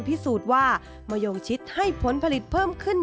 พิสูจน์ว่ามะยงชิดให้ผลผลิตเพิ่มขึ้น